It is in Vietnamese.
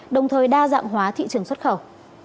đồng thời đa dạng hóa thị trường xuất khẩu